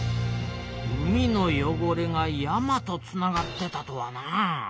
海のよごれが山とつながってたとはな。